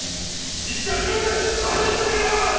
いつか自分がはぎとってやりまーす！